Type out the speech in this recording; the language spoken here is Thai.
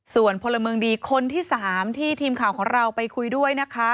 ส่วนพลเมืองดีคนที่๓ที่ทีมข่าวของเราไปคุยด้วยนะคะ